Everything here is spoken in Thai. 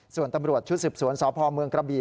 ส่วนตำรวจชุดสืบสวนสพเมืองกระบี